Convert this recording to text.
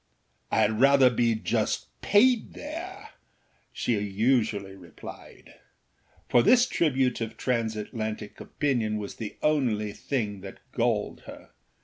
âI had rather be just paid there,â she usually replied; for this tribute of transatlantic opinion was the only thing that galled her.